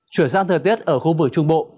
chuyển sang thời tiết ở khu vực trung bộ